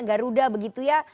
garuda begitu ya